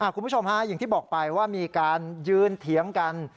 คุณผู้ชมฮะอย่างที่บอกไปว่ามีการยืนเถียงกัน